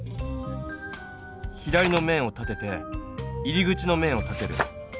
左の面を立てて入り口の面を立てる。